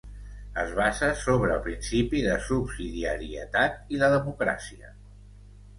Es basa sobre el principi de subsidiarietat i la democràcia.